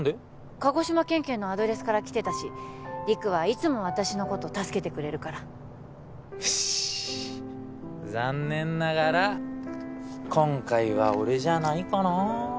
鹿児島県警のアドレスから来てたし陸はいつも私のこと助けてくれるからシシシシッ残念ながら今回は俺じゃないかな